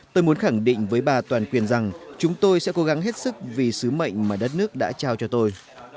tôi muốn khẳng định với bà toàn quyền rằng chúng tôi sẽ cố gắng hết sức vì sứ mệnh mà đất nước đã trao cho tôi